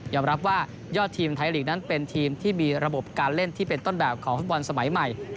รับว่ายอดทีมไทยลีกนั้นเป็นทีมที่มีระบบการเล่นที่เป็นต้นแบบของฟุตบอลสมัยใหม่